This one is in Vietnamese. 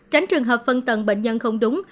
tránh trường hợp phân tầng bệnh nhân không đúng